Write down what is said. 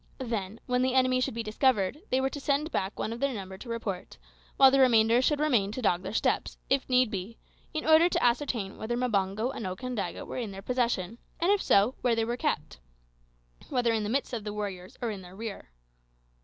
Then, when the enemy should be discovered, they were to send back one of their number to report; while the remainder should remain to dog their steps, if need be, in order to ascertain whether Mbango and Okandaga were in their possession, and if so, where they were kept whether in the midst of the warriors or in their rear.